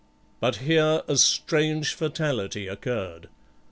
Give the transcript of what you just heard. But here a strange fatality occurred.